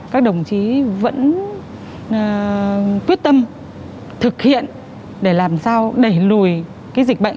các đồng chí vẫn quyết tâm thực hiện để làm sao đẩy lùi dịch bệnh